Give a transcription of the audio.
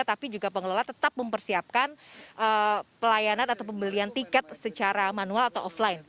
tapi juga pengelola tetap mempersiapkan pelayanan atau pembelian tiket secara manual atau offline